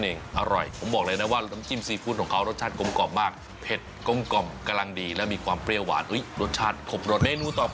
โอ้โหดูทานกับข้าวสวยร้อน